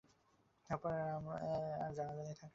তারপর আর জানাজানি থাকে না।